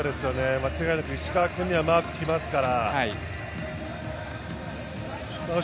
間違いなく石川君にはマークが来ますから。